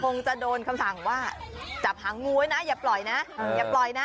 คงจะโดนคำสั่งว่าจับหางงูไว้นะอย่าปล่อยนะอย่าปล่อยนะ